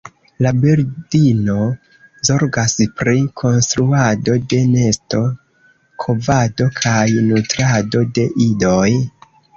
La birdino zorgas pri konstruado de nesto, kovado kaj nutrado de idoj.